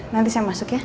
nanti saya masuk ya